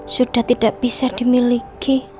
sudah tidak bisa dimiliki